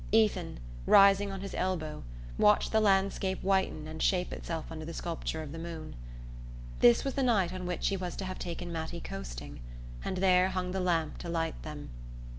Ethan, rising on his elbow, watched the landscape whiten and shape itself under the sculpture of the moon. This was the night on which he was to have taken Mattie coasting, and there hung the lamp to light them!